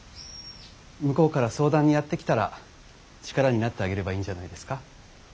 向こうから相談にやって来たら力になってあげればいいんじゃないですか。